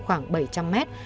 khoảng bảy trăm linh mét